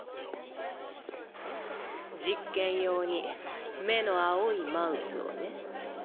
実験用に目の青いマウスをね。